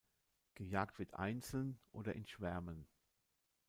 Gejagt wird einzeln oder in Schwärmen.